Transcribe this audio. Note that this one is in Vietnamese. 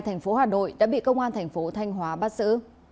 thành phố hà nội đã bị công an thành phố thanh hóa bắt xử